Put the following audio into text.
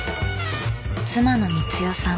妻の光代さん。